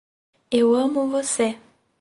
Eu amo você